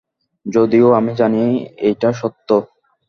যদিও আমি জানি এইটা সত্য।